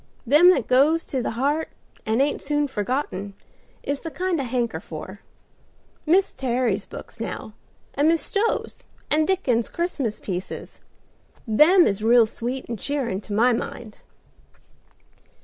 Them that goes to the heart and ain't soon forgotten is the kind I hanker for. Mis Terry's books now, and Mis Stowe's, and Dickens's Christmas pieces, them is real sweet and cheerin', to my mind."